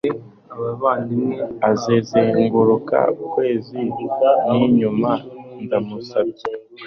azazenguruka ukwezi ninyuma, ndamusabye